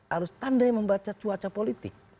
harus tandai membaca cuaca politik